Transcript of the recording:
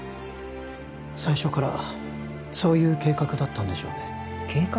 最初からそういう計画だったんでしょうね計画？